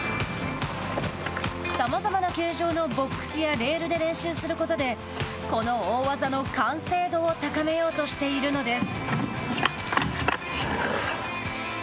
さまざまな形状のボックスやレールで練習することでこの大技の完成度を高めようとしているのです。